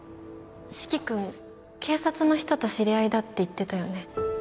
四鬼君警察の人と知り合いだって言ってたよね